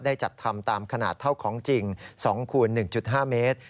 จัดทำตามขนาดเท่าของจริง๒คูณ๑๕เมตร